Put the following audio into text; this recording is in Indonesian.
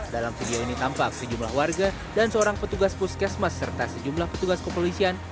dalam video ini tampak sejumlah warga dan seorang petugas puskesmas serta sejumlah petugas kepolisian